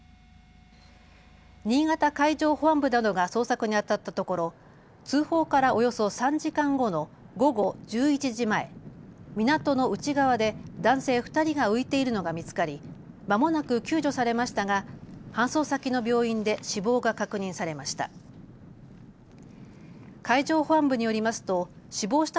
新潟海上保安部などが捜索に当たったところ通報から、およそ３時間後の午後１１時前港の内側で男性２人が浮いているのが見つかりまもなく救助されましたが搬送先の病院で死亡が確認されました。